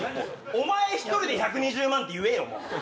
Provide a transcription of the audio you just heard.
お前一人で１２０万って言えよもう。